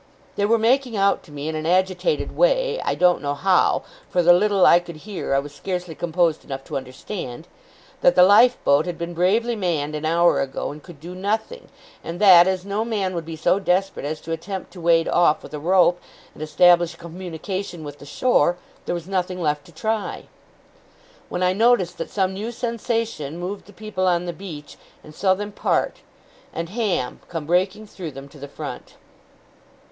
They were making out to me, in an agitated way I don't know how, for the little I could hear I was scarcely composed enough to understand that the lifeboat had been bravely manned an hour ago, and could do nothing; and that as no man would be so desperate as to attempt to wade off with a rope, and establish a communication with the shore, there was nothing left to try; when I noticed that some new sensation moved the people on the beach, and saw them part, and Ham come breaking through them to the front.